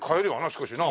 少しな？